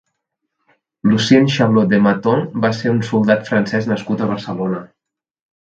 Lucien Chalaux-Dematons va ser un soldat francès nascut a Barcelona.